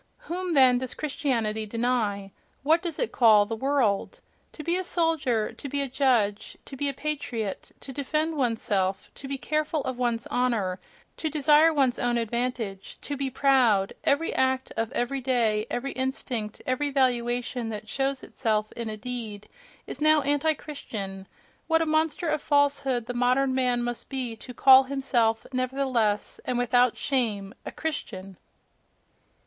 Whom, then, does Christianity deny? what does it call "the world"? To be a soldier, to be a judge, to be a patriot; to defend one's self; to be careful of one's honour; to desire one's own advantage; to be proud ... every act of everyday, every instinct, every valuation that shows itself in a deed, is now anti Christian: what a monster of falsehood the modern man must be to call himself nevertheless, and without shame, a Christian!